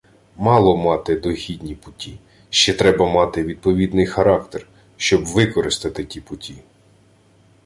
Мало мати догідні путі, ще треба мати відповідний характер, щоб використати ті путі.